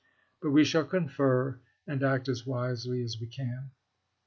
But we shall confer and act as wisely as we can.